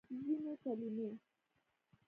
ځینې کلمې